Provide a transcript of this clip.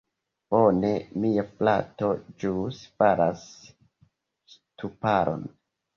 Bone, mia frato ĵus faras ŝtuparon.